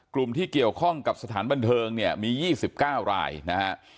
กลุ่มที่เกี่ยวข้องกับสถานบันเทิงเนี่ยมี๒๙รายนะฮะ